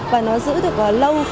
và nó giữ được lâu